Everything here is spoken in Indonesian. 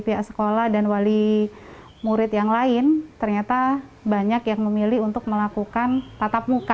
pihak sekolah dan wali murid yang lain ternyata banyak yang memilih untuk melakukan tatap muka